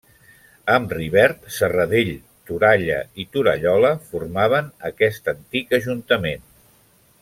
Amb Rivert, Serradell, Toralla i Torallola formaven aquest antic ajuntament.